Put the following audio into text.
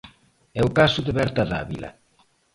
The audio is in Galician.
É o caso de Berta Dávila.